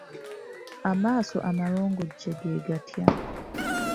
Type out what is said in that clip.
Amaaso amalongojje ge gatya?